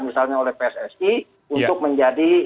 misalnya oleh pssi untuk menjadi